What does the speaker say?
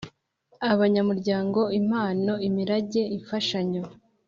Abanyamuryango impano imirage imfashanyo